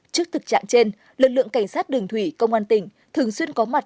trước thực trạng trên lực lượng cảnh sát đường thủy công an tỉnh thường xuyên có mặt